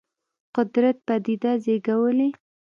قدرت پدیده زېږولې.